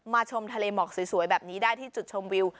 ชมทะเลหมอกสวยแบบนี้ได้ที่จุดชมวิว